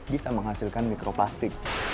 bisa menghasilkan mikroplastik